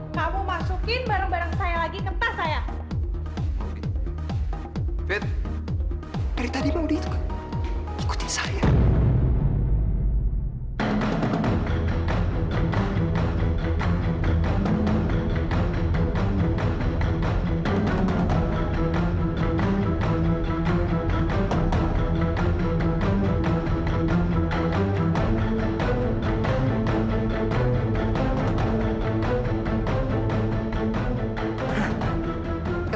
kamu ngapain disini